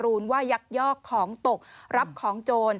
จะรูนว่ายักษ์ยอกของตกรับของจน